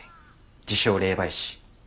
自称霊媒師。